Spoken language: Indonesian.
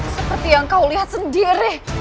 seperti yang kau lihat sendiri